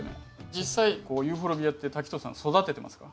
実際ユーフォルビアって滝藤さん育ててますか？